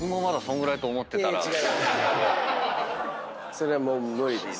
それはもう無理です。